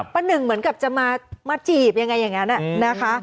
ปะหนึ่งเหมือนกับจะมาจีบยังไงน่ะนะคะ